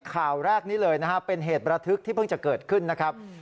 ข่าวแรกนี้เลยนะครับเป็นเหตุระทึกที่เพิ่งจะเกิดขึ้นนะครับ